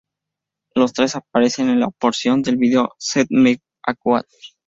Los tres aparecen en la porción del video "Sell Me a Coat".